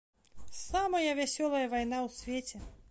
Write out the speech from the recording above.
Самая вясёлая вайна ў свеце.